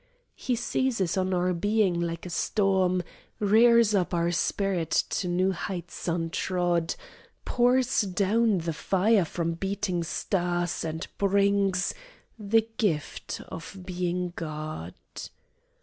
He seizes on our being like a storm, Rears up our spirit to new heights untrod, Pours down the fire from beating stars, and brings The gift of being God.